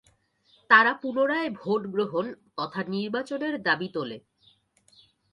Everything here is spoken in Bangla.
তারা পুনরায় ভোট গ্রহণ তথা নির্বাচনের দাবি তোলে।